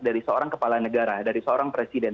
dari seorang kepala negara dari seorang presiden